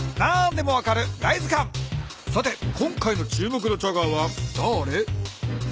さて今回の注目のチャガーはだれ？